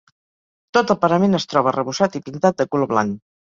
Tot el parament es troba arrebossat i pintat de color blanc.